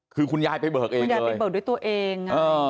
คือคุณยายไปเบิกเองคุณยายไปเบิกด้วยตัวเอง